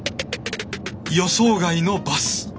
予想外のバス！